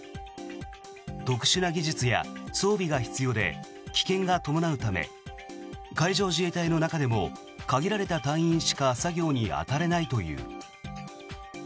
特殊な技術や装備が必要で危険が伴うため海上自衛隊の中でも限られた隊員しか作業に当たれないという。